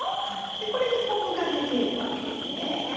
これでコクが出ていくわけですね。